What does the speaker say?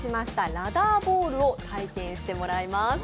ラダーボールを体験してもらいます。